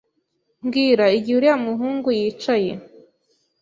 Mbwira igihe uriya muhungu yicaye.